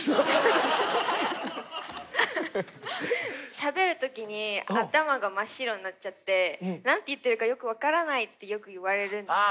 しゃべる時に頭が真っ白になっちゃって何て言ってるかよく分からないってよく言われるんですよ。